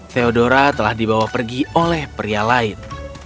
theodora telah dibawa pergi oleh pria lain